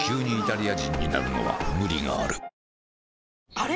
あれ？